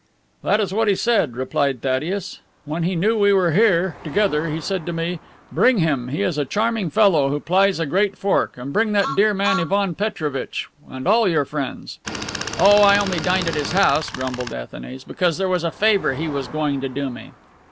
"That is what he said," replied Thaddeus. "When he knew we were here together, he said to me: 'Bring him, he is a charming fellow who plies a great fork; and bring that dear man Ivan Petrovitch, and all your friends.'" "Oh, I only dined at his house," grumbled Athanase, "because there was a favor he was going to do me."